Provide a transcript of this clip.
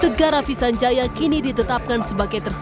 tegara fisanjaya kini ditetapkan sebagai tersebut